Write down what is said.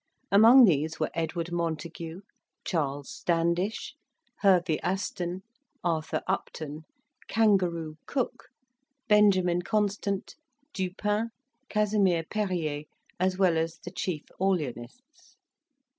Among these were Edward Montague, Charles Standish, Hervey Aston, Arthur Upton, "Kangaroo" Cook, Benjamin Constant, Dupin, Casimir Perier, as well as the chief Orleanists.